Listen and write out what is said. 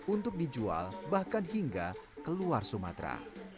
untuk dijual bahkan hingga keluar sumatera